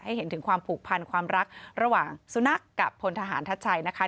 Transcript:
เห็นถึงความผูกพันความรักระหว่างสุนัขกับพลทหารทัชชัยนะคะ